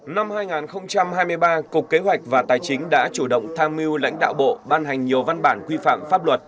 năm hai nghìn hai mươi ba cục kế hoạch và tài chính đã chủ động tham mưu lãnh đạo bộ ban hành nhiều văn bản quy phạm pháp luật